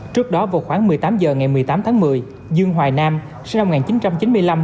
trước đó vào khoảng một mươi tám h ngày một mươi tám tháng một mươi dương hoài nam sinh năm một nghìn chín trăm chín mươi năm